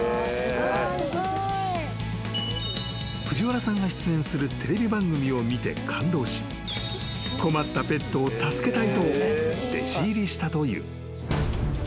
［藤原さんが出演するテレビ番組を見て感動し困ったペットを助けたいと弟子入りしたという］